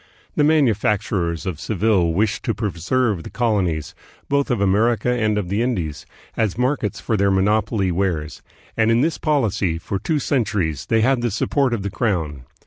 The manufacturers of Seville wished to preserve the col onies, both of America and of the Indies, as markets for their monopoly wares ; and in this policy, for two centuries, they had the support of the crown.